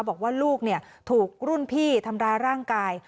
บอกว่าลูกถูกรุ่นพี่ทำร้ายร่างกาย